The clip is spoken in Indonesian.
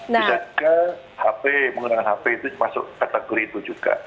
bisa juga hp menggunakan hp itu masuk kategori itu juga